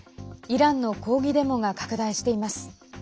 イランの抗議デモが拡大しています。